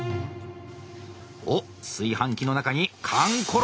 おっ炊飯器の中にかんころ